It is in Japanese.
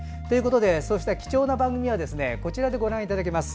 そうした貴重な番組はこちらでご覧いただけます。